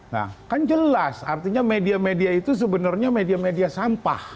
nah kan jelas artinya media media itu sebenarnya media media sampah